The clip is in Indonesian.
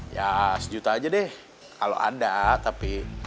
ya sejuta aja deh kalau ada tapi